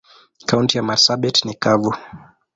Kaunti ya marsabit ni kavu.